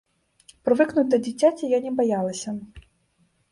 Прывыкнуць да дзіцяці я не баялася.